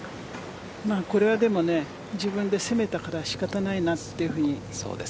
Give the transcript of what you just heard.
これはでも自分で攻めたから仕方ないなというふうに。